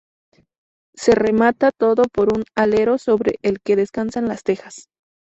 Se remata todo por un alero sobre el que descansan las tejas.